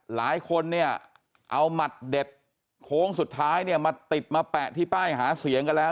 หลายคนเนี่ยเอาหมัดเด็ดโค้งสุดท้ายเนี่ยมาติดมาแปะที่ป้ายหาเสียงกันแล้ว